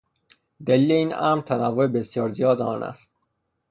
دلیل این امر تنوع بسیار زیاد آن است.